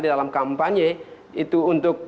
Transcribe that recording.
di dalam kampanye itu untuk